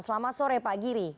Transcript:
selamat sore pak giri